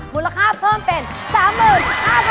มูลค่าเพิ่มเป็น๓๕๐๐บาท